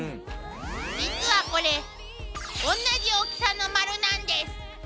実はこれおんなじ大きさの丸なんです。